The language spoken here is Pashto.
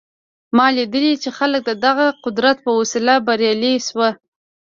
ما لیدلي چې خلک د دغه قدرت په وسیله بریالي شوي